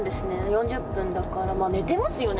４０分だからまあ寝てますよね